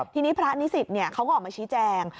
ทีนี้พระนิสิตเขาก็ออกมาชี้แจง